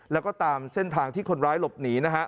แล้วก็ตามเส้นทางที่คนร้ายหลบหนีนะฮะ